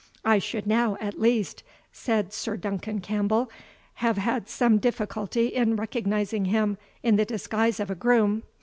"I should now, at least," said Sir Duncan Campbell, "have had some difficulty in recognising him in the disguise of a groom.